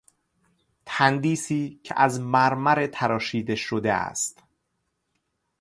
تندیسی که از مرمر تراشیده شده است